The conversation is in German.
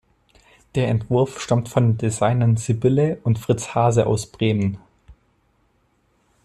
Der Entwurf stammt von den Designern Sibylle und Fritz Haase aus Bremen.